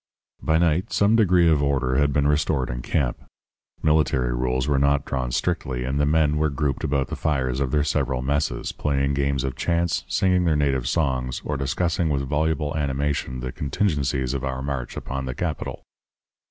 "By night some degree of order had been restored in camp. Military rules were not drawn strictly, and the men were grouped about the fires of their several messes, playing games of chance, singing their native songs, or discussing with voluble animation the contingencies of our march upon the capital.